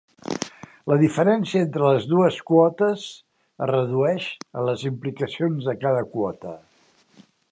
La diferència entre les dues quotes es redueix en les implicacions de cada quota.